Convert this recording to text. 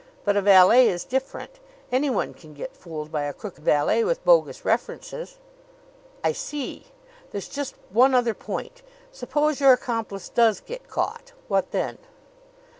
But a valet is different. Anyone can get fooled by a crook valet with bogus references." "I see. There's just one other point: Suppose your accomplice does get caught what then?"